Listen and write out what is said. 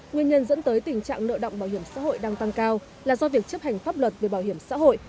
nguyên nhân dẫn tới tình trạng nợ động bảo hiểm xã hội đang tăng cao là do việc chấp hành pháp luật về bảo hiểm xã hội